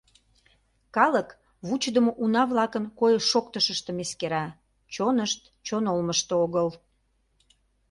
Калык вучыдымо уна-влакын койыш-шоктышыштым эскера, чонышт чон олмышто огыл.